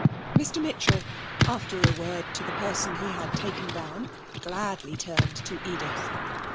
Mr Mitchell, after a word to the person he had taken down, gladly turned to Edith.